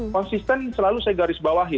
konsisten selalu saya garis bawahi